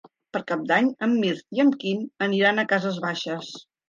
Per Cap d'Any en Mirt i en Quim aniran a Cases Baixes.